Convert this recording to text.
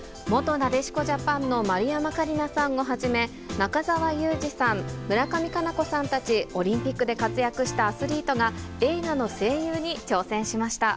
なでしこジャパンの丸山桂里奈さんをはじめ、中澤佑二さん、村上佳菜子さんたち、オリンピックで活躍したアスリートが、映画の声優に挑戦しました。